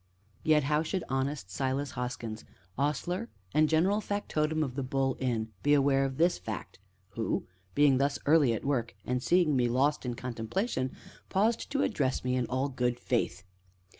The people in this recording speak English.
Yet how should honest Silas Hoskins, ostler, and general factotum of "The Bull" inn, be aware of this fact, who, being thus early at work, and seeing me lost in contemplation, paused to address me in all good faith?